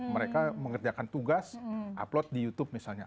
mereka mengerjakan tugas upload di youtube misalnya